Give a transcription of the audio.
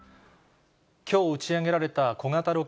きょう打ち上げられた小型ロ